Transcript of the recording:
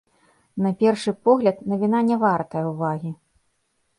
На першы погляд, навіна не вартая ўвагі.